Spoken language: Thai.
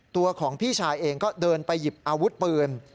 ตัวของพี่ชายเองก็เดินไปหยิบอาวุธปืน